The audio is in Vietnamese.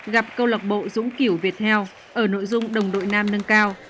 gặp câu lọc bộ dũng kiểu việt heo ở nội dung đồng đội nam nâng cao